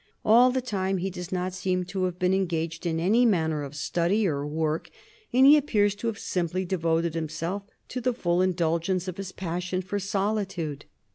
All the time he does not seem to have been engaged in any manner of study or work, and he appears to have simply devoted himself to the full indulgence of his passion for solitude.